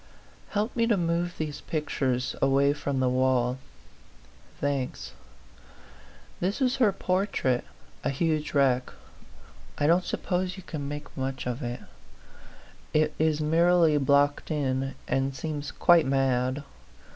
Help me to move these pictures away from the wall. Thanks. This is her portrait ; a huge wreck. I don't suppose you can make much of it; it is merely blocked in, and seems quite mad.